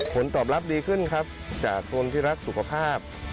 ผลตอบรับดีขึ้นครับจากคนที่รักสุขภาพ